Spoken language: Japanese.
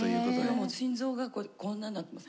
もう心臓がこんなんなってます。